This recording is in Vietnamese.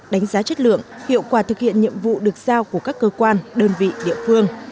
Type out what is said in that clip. đánh giá chất lượng hiệu quả thực hiện nhiệm vụ được giao của các cơ quan đơn vị địa phương